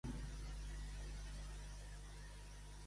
Què va dir sobre Timoteu de Tebes?